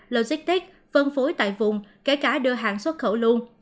logistics phân phối tại vùng kể cả đưa hàng xuất khẩu luôn